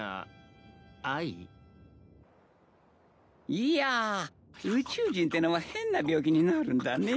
いや宇宙人ってのは変な病気になるんだね。